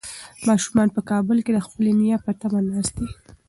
ماشومان په کابل کې د خپلې نیا په تمه ناست دي.